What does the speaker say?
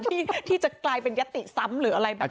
ที่จะกลายเป็นยติซ้ำหรืออะไรแบบนี้